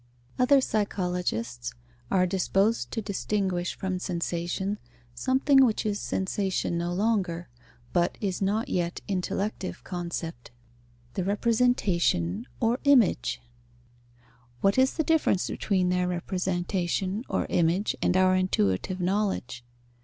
_ Other psychologists are disposed to distinguish from sensation something which is sensation no longer, but is not yet intellective concept: the representation or image. What is the difference between their representation or image, and our intuitive knowledge?